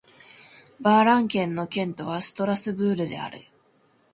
バ＝ラン県の県都はストラスブールである